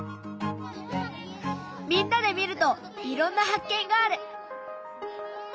みんなで見るといろんな発見がある！